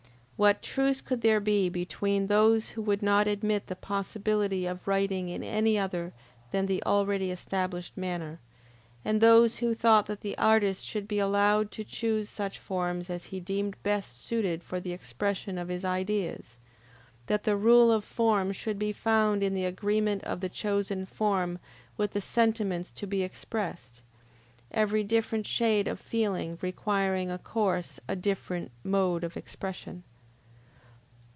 What truce could there be between those who would not admit the possibility of writing in any other than the already established manner, and those who thought that the artist should be allowed to choose such forms as he deemed best suited for the expression of his ideas; that the rule of form should be found in the agreement of the chosen form with the sentiments to be expressed, every different shade of feeling requiring of course a different mode of expression?